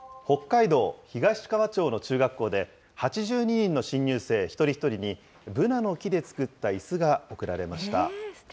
北海道東川町の中学校で、８２人の新入生一人一人に、ブナの木で作ったいすが贈られました。